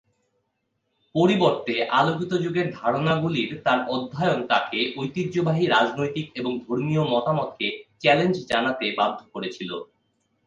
পরিবর্তে, আলোকিত-যুগের ধারণাগুলির তার অধ্যয়ন তাকে ঐতিহ্যবাহী রাজনৈতিক এবং ধর্মীয় মতামতকে চ্যালেঞ্জ জানাতে বাধ্য করেছিল।